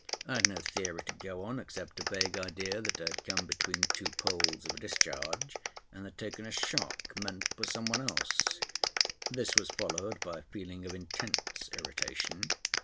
I had no theory to go on, except a vague idea that I had come between two poles of a discharge, and had taken a shock meant for some one else. This was followed by a feeling of intense irritation.